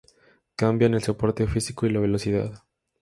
Cambian el soporte físico y la velocidad.